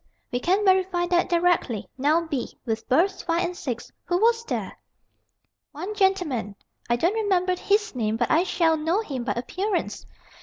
we can verify that directly. Now, b, with berths 5 and 6. Who was there?" "One gentleman. I don't remember his name. But I shall know him by appearance."